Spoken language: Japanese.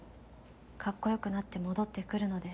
「カッコよくなって戻ってくるので」